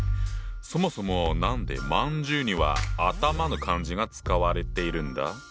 そもそも何で饅頭には「頭」の漢字が使われているんだ？